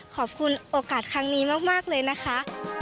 ขอบคุณโอกาสครั้งนี้มากเลยนะคะ